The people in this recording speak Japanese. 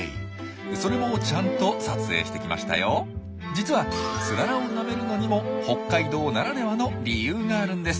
実はツララをなめるのにも北海道ならではの理由があるんです。